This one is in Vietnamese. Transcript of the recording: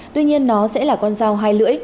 tuy nhiên nó sẽ là con dao hai lưỡi